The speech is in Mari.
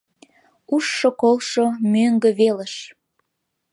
Ужшо-колшо мӧҥгӧ велыш.